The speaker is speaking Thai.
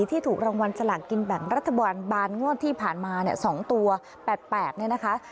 ที่ถูกรางวัลสลากกินแบ่งรัฐบาลบานงวดที่ผ่านมาเนี่ย๒ตัว๘๘เนี่ยนะคะ